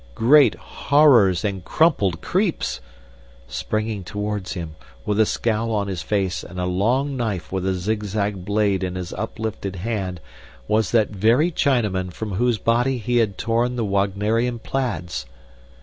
Great horrors and crumpled creeps! Springing toward him, with a scowl on his face and a long knife with a zig zag blade in his uplifted hand, was that very Chinaman from whose body he had torn the Wagnerian plaids!